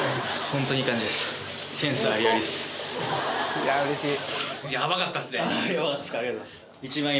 いやうれしい！